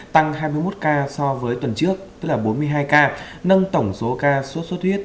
tăng hai mươi một ca so với tuần trước tức là bốn mươi hai ca nâng tổng số ca sốt xuất huyết